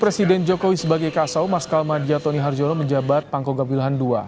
presiden jokowi sebagai kasau marskal madia tony harjono menjabat tangkogap wilhan ii